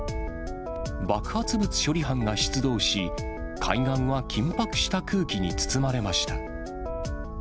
爆発物処理班が出動し、海岸は緊迫した空気に包まれました。